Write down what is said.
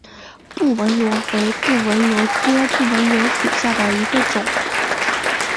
布纹螺为布纹螺科布纹螺属下的一个种。